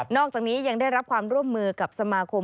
อกจากนี้ยังได้รับความร่วมมือกับสมาคม